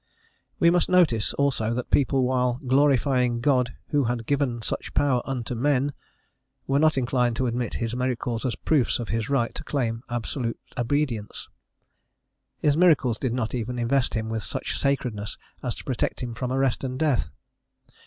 We must notice also that the people, while "glorifying God, who had given such power unto men," were not inclined to admit his miracles as proofs of his right to claim absolute obedience: his miracles did not even invest him with such sacredness as to protect him from arrest and death.